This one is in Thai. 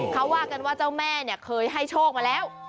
เขาว่ากันว่าเจ้าแม่เนี่ยเคยให้โชคมาแล้ว